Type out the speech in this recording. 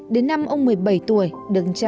đến năm ông một mươi bảy tuổi đứng trang